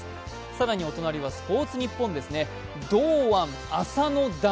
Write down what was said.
更にお隣は「スポーツニッポン」ですね、堂安、浅野弾。